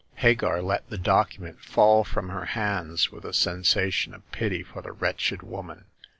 Hagar let the document fall from her hands with a sensation of pity for the wretched woman.